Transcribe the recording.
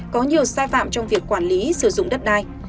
có nhiều sai phạm trong việc quản lý sử dụng đất đai